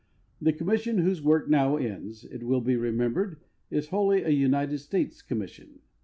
The commission, whose work now ends, it will be remembered, is wholly a United States commission.